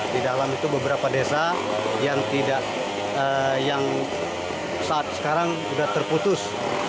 di dalam itu beberapa desa yang saat sekarang sudah terputus